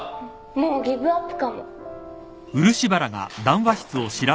もうギブアップかも。